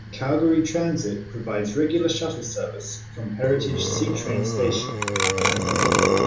Calgary Transit provides regular shuttle service from Heritage C-Train station.